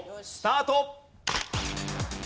スタート！＃